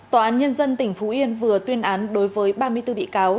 tòa án nhân dân tỉnh phú yên vừa tuyên án đối với ba mươi bốn bị cáo